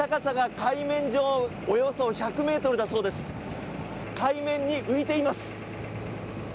海面に浮いています。